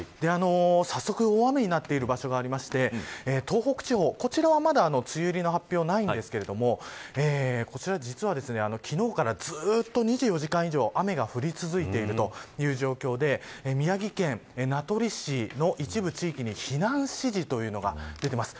早速、大雨になっている場所があって東北地方、こちらはまだ梅雨入りの発表はないんですがこちら、実は昨日からずっと２４時間以上雨が降り続いているという状況で宮城県名取市の一部地域に避難指示というのが出ています。